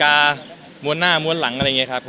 รับรองว่าสนุกแน่นอนครับ